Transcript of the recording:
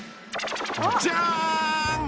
じゃん！